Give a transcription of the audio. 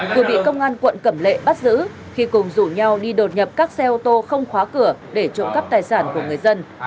vừa bị công an quận cẩm lệ bắt giữ khi cùng rủ nhau đi đột nhập các xe ô tô không khóa cửa để trộm cắp tài sản của người dân